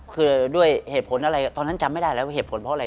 คือด้วยเหตุผลอะไรตอนนั้นจำไม่ได้แล้วว่าเหตุผลเพราะอะไร